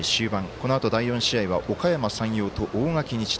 このあと第４試合はおかやま山陽と、大垣日大。